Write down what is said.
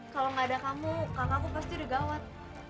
kalau gak ada kamu kakak aku pasti udah gawat